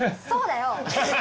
そうだよ！